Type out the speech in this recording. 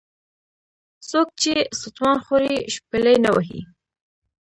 ـ څوک چې ستوان خوري شپېلۍ نه وهي .